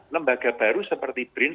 lembaga baru seperti brin